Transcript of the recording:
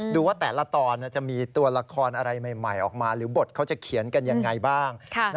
ดูว่าแต่ละตอนจะมีตัวละครอะไรใหม่ออกมาหรือบทเขาจะเขียนกันยังไงบ้าง